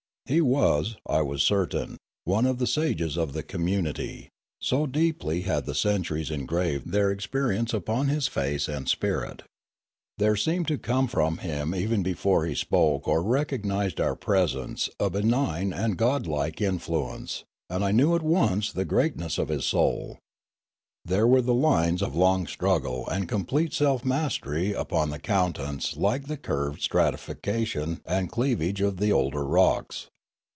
He was, I was certain, one of the sages of the community, so deeply had the ceuturies engraved their experience upon his face and spirit. Fialume 65 There seemed to come from him even before he spoke or recognised our presence a benign and godlike in fluence, and I knew at once the greatness of his soul. There were the lines of long struggle and complete self mastery upon the countenance like the curved stratifi cation and cleavage of the older rocks.